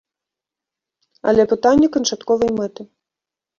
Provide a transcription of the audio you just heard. Але пытанне канчатковай мэты.